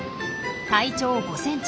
体長５ｃｍ。